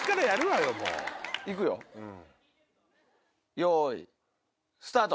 よいスタート。